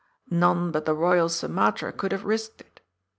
" None but the Boyal Sumatra could have risked it.